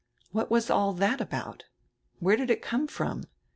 What was all that about? Where did it come from?